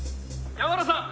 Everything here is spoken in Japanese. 「山浦さん！